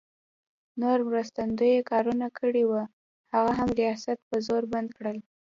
نور مرستندویه کارونه کړي وو، هغه هم ریاست په زور بند کړل.